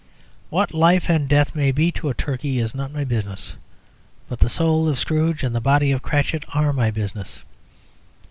What life and death may be to a turkey is not my business; but the soul of Scrooge and the body of Cratchit are my business.